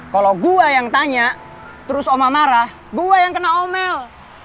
kalau gue yang tanya terus oma marah gua yang kena omel